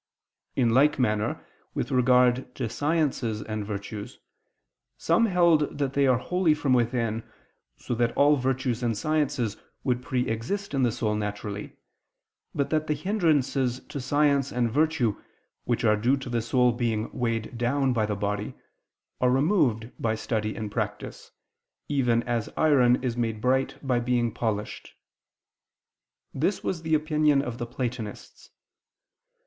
In like manner with regard to sciences and virtues, some held that they are wholly from within, so that all virtues and sciences would pre exist in the soul naturally, but that the hindrances to science and virtue, which are due to the soul being weighed down by the body, are removed by study and practice, even as iron is made bright by being polished. This was the opinion of the Platonists.